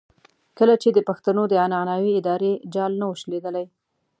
کله چې د پښتنو د عنعنوي ادارې جال نه وو شلېدلی.